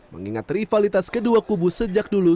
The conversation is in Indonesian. mengingat rivalitas kedua kubu sejak dulu